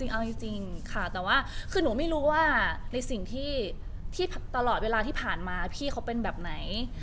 เอาจริงค่ะแต่ว่าคือหนูไม่รู้ว่าในสิ่งที่ตลอดเวลาที่ผ่านมาพี่เขาเป็นแบบไหน